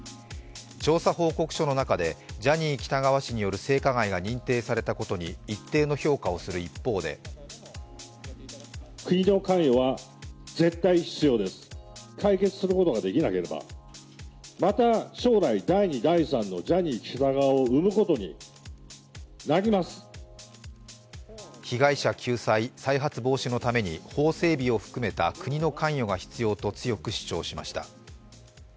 調査報告書の中で、ジャニー喜多川氏による性加害が認定されたことに一定の評価をする一方で被害者救済、再発防止のために法整備を含めた国の関与が必要と強く主張しました。